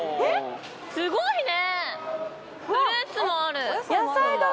すごいね！